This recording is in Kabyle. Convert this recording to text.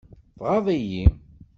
Tɣaḍ-iyi.